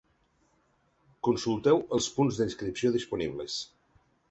Consulteu els punts d'inscripció disponibles.